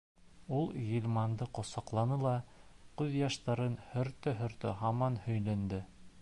Ул Ғилманды ҡосаҡланы ла, күҙ йәштәрен һөртә-һөртә, һаман һөйләнде: